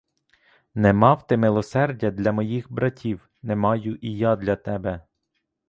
Не мав ти милосердя для моїх братів, не маю і я для тебе!